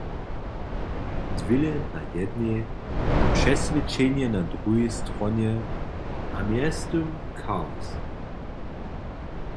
Dwěle na jednej a přeswědčenje na druhej stronje – a mjeztym chaos.